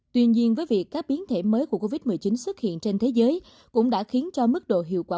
tuy nhiên với việc các biến thể mới của covid một mươi chín xuất hiện trên thế giới cũng đã khiến cho mức độ hiệu quả